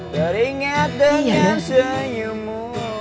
beringat dengan senyummu